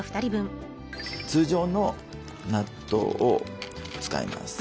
通常の納豆を使います。